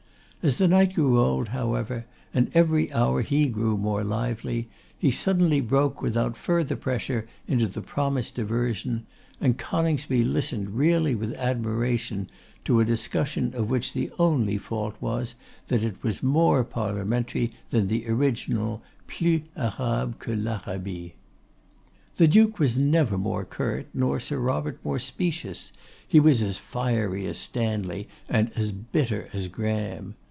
As the night grew old, however, and every hour he grew more lively, he suddenly broke without further pressure into the promised diversion; and Coningsby listened really with admiration to a discussion, of which the only fault was that it was more parliamentary than the original, 'plus Arabe que l'Arabie.' The Duke was never more curt, nor Sir Robert more specious; he was as fiery as Stanley, and as bitter as Graham.